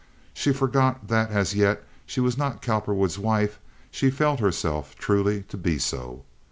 She forgot that as yet she was not Cowperwood's wife; she felt herself truly to be so.